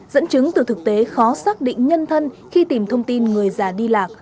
dẫn chứng từ thực tế khó xác định nhân thân khi tìm thông tin người già đi lạc